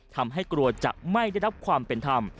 ทำให้กลัวจะไม่ได้รับความเป็นธรรม